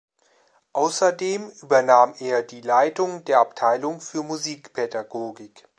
Außerdem übernahm er die Leitung der Abteilung für Musikpädagogik.